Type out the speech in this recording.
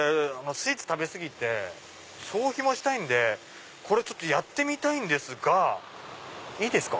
スイーツ食べ過ぎて消費もしたいんでこれやってみたいんですがいいですか？